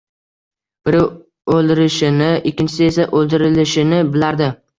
Biri o`ldirishini, ikkinchisi esa o`ldirilishini bilardi